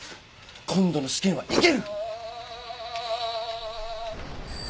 今度の試験はいける！